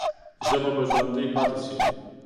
ژبه به ژوندۍ پاتې سي.